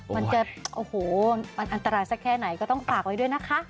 มันจะโอ้โหมันอันตรายสักแค่ไหนก็ต้องฝากไว้ด้วยนะคะ